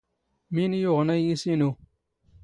ⵎⵉⵏ ⵢⵓⵖⵏ ⴰⵢⵢⵉⵙ ⵉⵏⵓ?